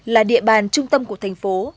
là địa bàn trung tâm của thành phố